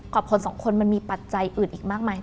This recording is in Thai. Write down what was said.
คนสองคนมันมีปัจจัยอื่นอีกมากมาย